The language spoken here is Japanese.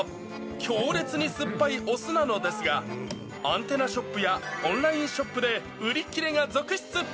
強烈に酸っぱいお酢なのですが、アンテナショップやオンラインショップで売り切れが続出。